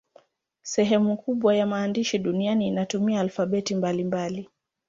Sehemu kubwa ya maandishi duniani inatumia alfabeti mbalimbali.